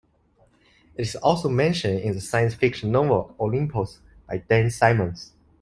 It is also mentioned in the science fiction novel "Olympos," by Dan Simmons.